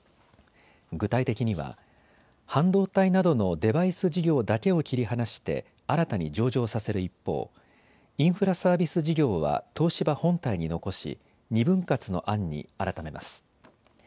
具体的には半導体などのデバイス事業だけを切り離して新たに上場させる一方、インフラサービス事業は東芝本体に残し、２分割の案に改めます。